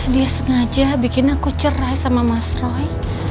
dia sengaja bikin aku cerai sama mas roy